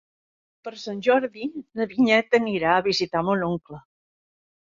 Per Sant Jordi na Vinyet anirà a visitar mon oncle.